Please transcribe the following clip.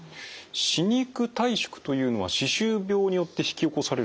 歯肉退縮というのは歯周病によって引き起こされるんですか？